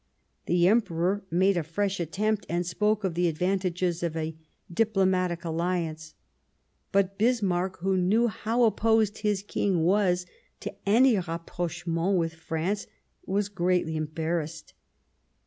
The Emperor made a fresh attempt, and spoke of the advantages of a " Diplomatic Alliance." But Bismarck, who knew how opposed his King was to any rapprocheinent with France, was greatly embarrassed.